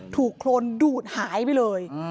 โครนดูดหายไปเลย